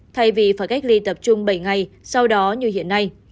thay vì phải cách ly tập trung bảy ngày sau đó như hiện nay